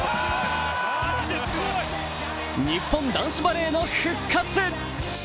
日本男子バレーの復活。